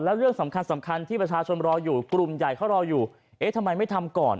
แล้วเรื่องสำคัญสำคัญที่ประชาชนรออยู่กลุ่มใหญ่เขารออยู่เอ๊ะทำไมไม่ทำก่อน